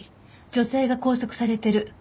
女性が拘束されてる。